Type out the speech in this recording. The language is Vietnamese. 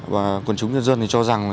và quần chúng nhân dân thì cho rằng là